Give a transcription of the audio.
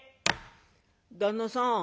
「旦那さん